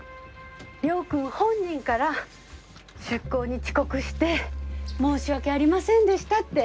亮君本人から出港に遅刻して申し訳ありませんでしたって。